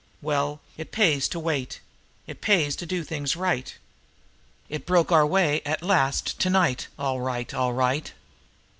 Well, it pays to wait, and it pays to do things right. It broke our way at last to night, all right, all right!